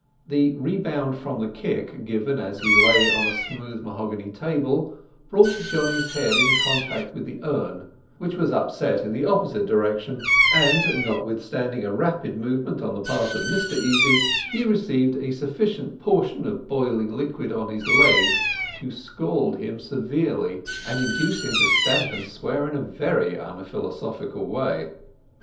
The rebound from the kick, given as he lay on a smooth mahogany table, brought Johnny's head in contact with the urn, which was upset in the opposite direction, and, notwithstanding a rapid movement on the part of Mr Easy, he received a sufficient portion of boiling liquid on his legs to scald him severely, and induce him to stamp and swear in a very unphilosophical way.